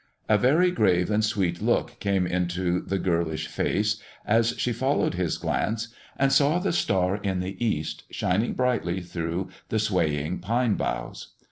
A very grave and sweet look came into the girlish face, as she followed his glance and saw the star in the east shining brightly through the swaying pine boughs.